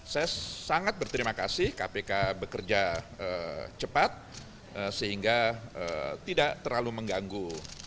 saya sangat berterima kasih kpk bekerja cepat sehingga tidak terlalu mengganggu